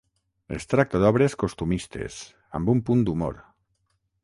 Es tracta d'obres costumistes, amb un punt d'humor.